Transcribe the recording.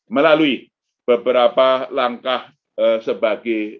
melalui beberapa langkah sebagai berikut satu melanjutkan kebijakan nilai tukar rupiah untuk